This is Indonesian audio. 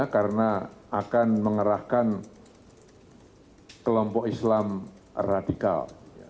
karena akan mengerahkan kelompok islam radikal